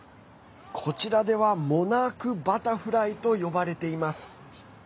こちらではモナークバタフライと呼ばれています。